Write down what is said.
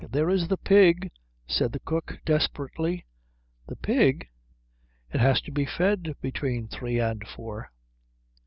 "There is the pig," said the cook desperately. "The pig?" "It has to be fed between three and four."